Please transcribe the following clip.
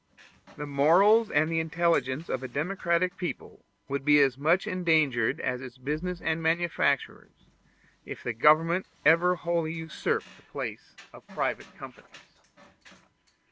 The morals and the intelligence of a democratic people would be as much endangered as its business and manufactures, if the government ever wholly usurped the place of private companies.